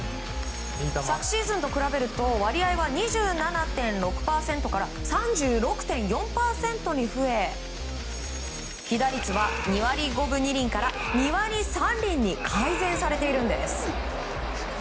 昨シーズンと比べると割合は２７．６％から３６．４％に増え被打率は２割５分２厘から２割３厘に改善されているんです。